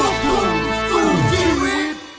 แม้น้องไม่เชื่อพี่ดี